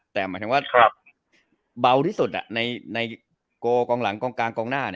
แต่หมายถึงว่าเบาที่สุดในโกกองหลังกองกลางกองหน้า